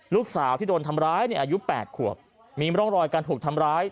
ลูกสาวที่โดนทำร้ายในอายุ๘ขวบมีร่องรอยการถูกทำร้าย